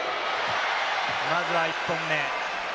まずは１本目。